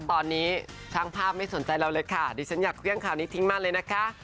ตอนนี้ช่างภาพไม่สนใจเราเลยค่ะดิฉันอยากเครื่องข่าวนี้ทิ้งมากเลยนะคะ